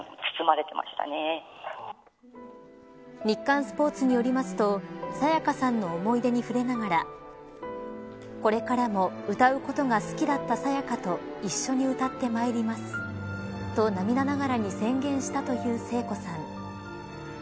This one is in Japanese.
日刊スポーツによりますと沙也加さんの思い出に触れながらこれからも歌うことが好きだった沙也加と一緒に歌ってまいりますと涙ながらに宣言したという聖子さん。